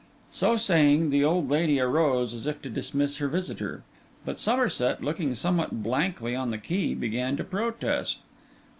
So saying, the old lady arose, as if to dismiss her visitor; but Somerset, looking somewhat blankly on the key, began to protest.